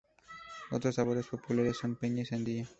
Otros sabores populares son piña y sandía.